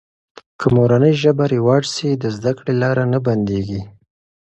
که مورنۍ ژبه رواج سي، د زده کړې لاره نه بندېږي.